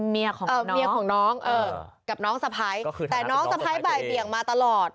เมียของเขาน้องเอ่อเกษฐภัยไม่ตลอด